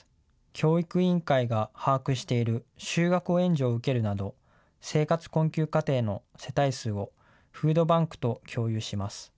教育委員会が把握している就学援助を受けるなど、生活困窮家庭の世帯数を、フードバンクと共有します。